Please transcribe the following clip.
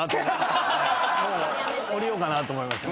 降りようかなと思いました。